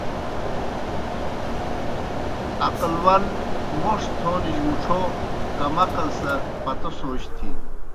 عقل ون موْݜ تھونِجیْ مُڇھو، کم عقل سہ پتو سوچ تِھینوْ